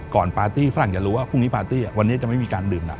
ปาร์ตี้ฝรั่งจะรู้ว่าพรุ่งนี้ปาร์ตี้วันนี้จะไม่มีการดื่มหนัก